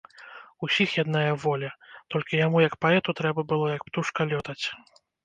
Усіх яднае воля, толькі яму як паэту трэба было, як птушка, лётаць.